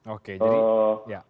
oke jadi ya